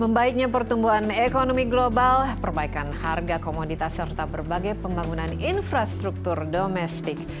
membaiknya pertumbuhan ekonomi global perbaikan harga komoditas serta berbagai pembangunan infrastruktur domestik